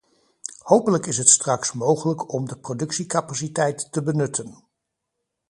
Hopelijk is het straks mogelijk om de productiecapaciteit te benutten.